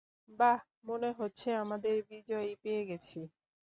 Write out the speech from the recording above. বাহ, মনে হচ্ছে আমাদের বিজয়ী পেয়ে গেছি।